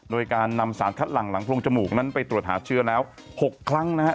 โดยการนำสารคัดหลังหลังโรงจมูกนั้นไปตรวจหาเชื้อแล้ว๖ครั้งนะฮะ